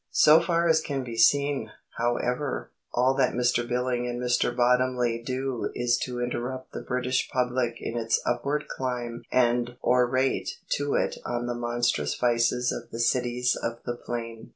So far as can be seen, however, all that Mr Billing and Mr Bottomley do is to interrupt the British public in its upward climb and orate to it on the monstrous vices of the Cities of the Plain.